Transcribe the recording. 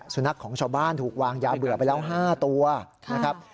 สุนัขของชาวบ้านถูกวางยาเบื่อไปแล้ว๕ตัวนะครับ